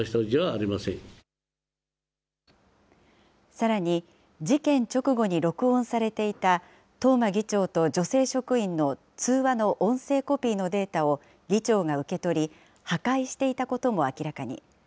さらに、事件直後に録音されていた東間議長と女性職員の通話の音声コピーのデータを議長が受け取り、破壊していたことも明らかに。